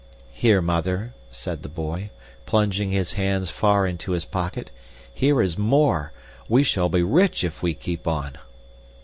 "Here, Mother," said the boy, plunging his hands far into his pocket, "here is more we shall be rich if we keep on!"